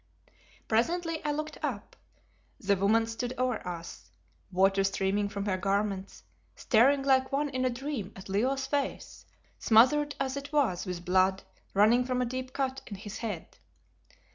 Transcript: Presently I looked up. The woman stood over us, water streaming from her garments, staring like one in a dream at Leo's face, smothered as it was with blood running from a deep cut in his head.